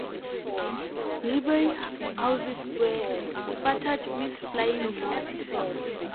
Nearby houses were spattered with flying mud.